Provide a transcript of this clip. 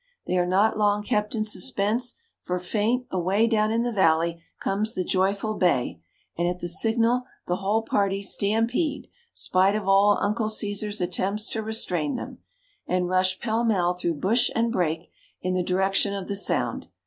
They are not long kept in suspense, for faint, away down in the valley, comes the joyful bay, and at the signal the whole party stampede, spite of all 'ole uncle Cæsar's' attempts to restrain them, and rush pellmell through bush and brake in the direction of the sound.